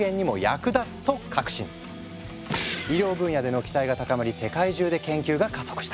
医療分野での期待が高まり世界中で研究が加速した。